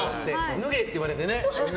脱げって言われてね。